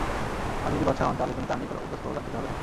আর যদি বাদশাহ হন তাহলে তুমি তার নিকট অপদস্ত ও লাঞ্ছিত হবে না।